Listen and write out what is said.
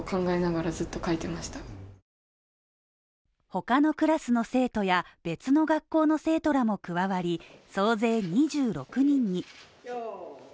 他のクラスの生徒や、別の学校の生徒らも加わり、総勢２６人に。